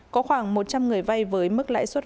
có khoảng một trăm linh người vay với mức lãi suất